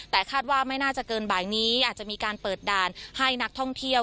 แต่คาดว่าไม่น่าจะเกินบ่ายนี้อาจจะมีการเปิดด่านให้นักท่องเที่ยว